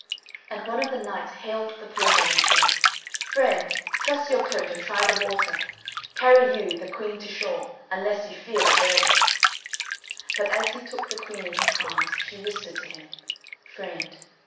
And one of the knights hailed the pilgrim, and said: "Friend, truss your coat, and try the water; carry you the Queen to shore, unless you fear the burden." But as he took the Queen in his arms she whispered to him: "Friend."